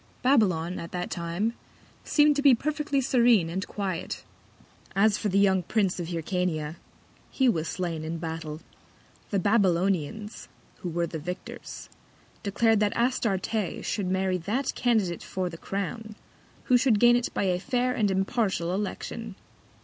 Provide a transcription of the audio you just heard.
Babylon at that Time seem'd to be perfectly serene and quiet. As for the young Prince of Hyrcania, he was slain in Battle. The Babylonians, who were the Victors, declar'd that Astarte should marry that Candidate for the Crown, who should gain it by a fair and impartial Election.